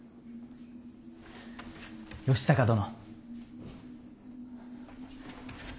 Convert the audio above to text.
義高殿。